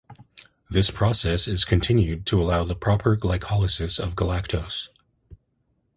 This process is continued to allow the proper glycolysis of galactose.